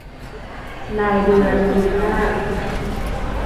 นายเดือน บุนนาค